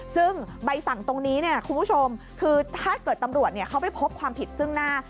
ซึ่งใบสั่งตรงนี้คุณผู้ชมคือถ้าเกิดตำรวจเขาไปพบความผิดซึ่งหน้า